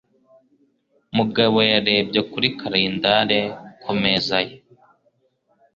Mugabo yarebye kuri kalendari ku meza ye.